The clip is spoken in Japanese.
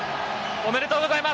おめでとうございます。